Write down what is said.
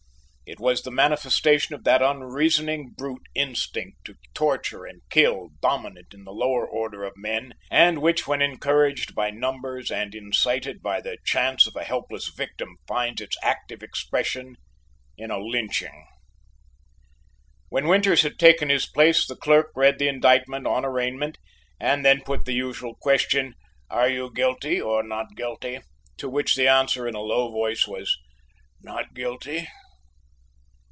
It was the manifestation of that unreasoning brute instinct to torture and kill dominant in the lower order of men, and which when encouraged by numbers and incited by the chance of a helpless victim, finds its active expression in a lynching. When Winters had taken his place, the clerk read the indictment on arraignment and then put the usual question: "Are you guilty or not guilty?" to which the answer, in a low voice, was, "Not guilty!"